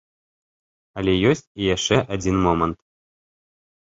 Але ёсць і яшчэ адзін момант.